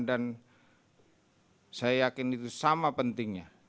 dan saya yakin itu sama pentingnya